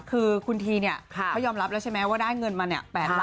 คือคุณทีเนี่ยเขายอมรับแล้วใช่ไหมว่าได้เงินมาเนี่ย